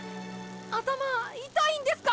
頭痛いんですか？